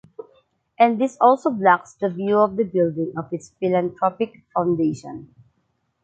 And this also blocks the view of the buildings of its philanthropic foundation.